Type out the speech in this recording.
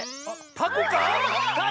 タコか⁉